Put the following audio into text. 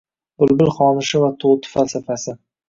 Bulbul xonishi va to‘ti falsafasi